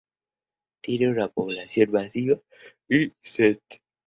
Tiene una población masiva, y St.